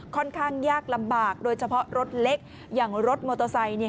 ค่อนข้างยากลำบากโดยเฉพาะรถเล็กอย่างรถมอเตอร์ไซค์เนี่ย